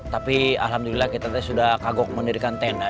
tapi alhamdulillah kita sudah kagok mendirikan tenda